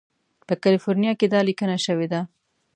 په کالیفورنیا کې دا لیکنه شوې ده.